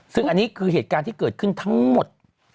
ซึ่งอันนี้คือเหตุการณ์ที่เกิดขึ้นทั้งหมด